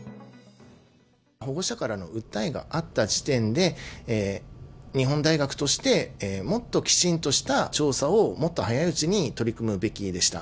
保護者からの訴えがあった時点で、日本大学としてもっときちんとした調査をもっと早いうちに取り組むべきでした。